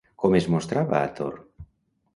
Com es mostrava Athor?